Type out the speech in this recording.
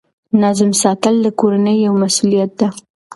نظم ساتل د کورنۍ یوه مسؤلیت ده.